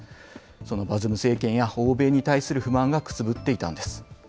そのバズム政権や欧米に対する不満がくすぶっていたんです。